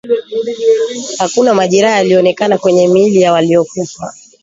Hakuna majeraha yaliyoonekana kwenye miili ya waliokufa